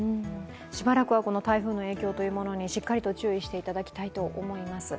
しばらくは台風の影響にしっかりと注意していただきたいと思います。